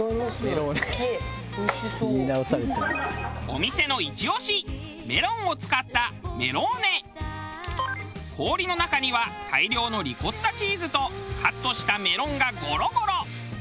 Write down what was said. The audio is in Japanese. お店のイチ押しメロンを使った氷の中には大量のリコッタチーズとカットしたメロンがゴロゴロ。